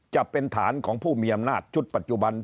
จะเป็นฐานของผู้มีอำนาจชุดปัจจุบัน